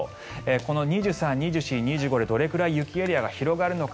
この２３日、２４日、２５日でどれくらい雪エリアが広がるのか。